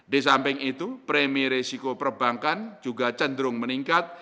di samping itu premi risiko perbankan juga cenderung meningkat